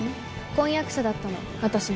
婚約者だったの私の。